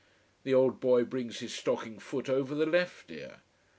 The old boy brings his stocking foot over the left ear.